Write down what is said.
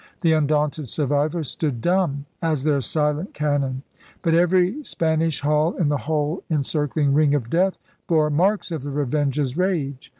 The undaunted survivors stood dumb as their silent cannon. But every Spanish hull in the whole en circling ring of death bore marks of the Revengers rage.